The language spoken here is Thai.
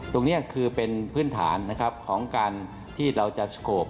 ตรงนี้คือเป็นพื้นฐานนะครับของการที่เราจะสโขป